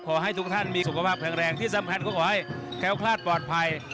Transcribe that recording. ขอให้ทุกท่านมีสุขภาพแข็งแรงที่สำคัญก็ขอให้แคล้วคลาดปลอดภัย